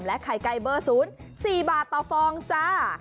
และไข่ไก่เบอร์ศูนย์๔บาทต่อฟองจ้า